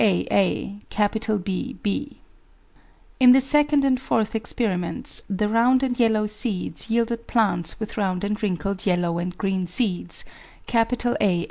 AaBb In the second and fourth experiments the round and yellow seeds yielded plants with round and wrinkled yellow and green seeds, AaBb.